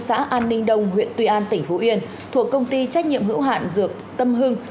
xã an ninh đông huyện tuy an tỉnh phú yên thuộc công ty trách nhiệm hữu hạn dược tâm hưng